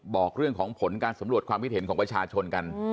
บอกเรื่องของผลการสำรวจความคิดเห็นของประชาชนกัน